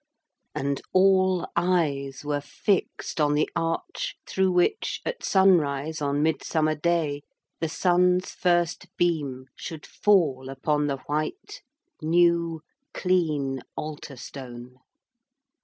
And all eyes were fixed on the arch through which, at sunrise on Midsummer Day, the sun's first beam should fall upon the white, new, clean altar stone.